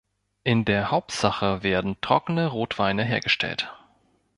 In der Hauptsache werden trockene Rotweine hergestellt.